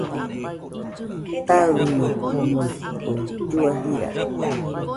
Taɨno omoɨko llua jira.